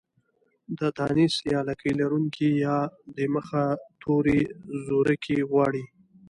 د تانيث يا لکۍ لرونکې ۍ د مخه توری زورکی غواړي.